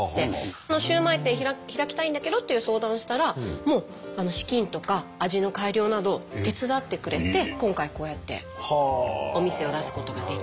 このシューマイ店開きたいんだけどっていう相談をしたら資金とか味の改良など手伝ってくれて今回こうやってお店を出すことができたっていう。